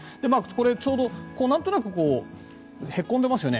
これ、ちょうどなんとなくへこんでますよね。